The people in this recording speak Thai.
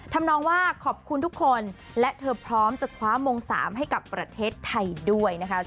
ทำนองว่าขอบคุณทุกคนและเธอพร้อมจะคว้ามง๓ให้กับประเทศไทยด้วยนะคะ